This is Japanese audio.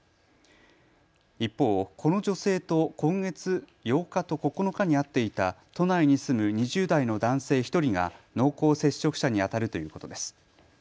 一方、この女性と今月８日と９日に会っていた都内に住む２０代の男性１人が濃厚接触者にあたるということです。